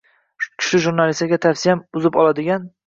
Kuchli jurnalistlarga tavsiyam - uzib oladigan